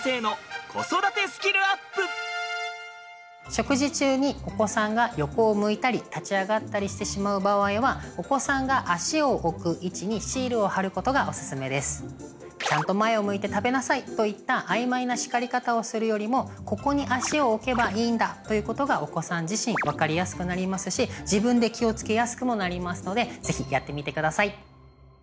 食事中にお子さんが横を向いたり立ち上がったりしてしまう場合はお子さんがちゃんと前を向いて食べなさいといったあいまいな叱り方をするよりもここに足を置けばいいんだということがお子さん自身分かりやすくなりますし自分で気を付けやすくもなりますので是非やってみてください。